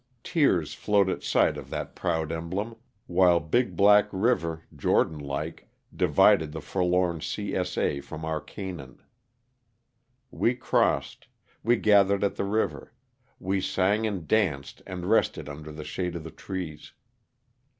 Tears flowed at sight of that proud emblem, while Big Black river, Jordan like, divided the forlorn C. S. A. from our Canaan. We crossed ; we gathered at the river ; we sang and danced and rested under the shade of the trees.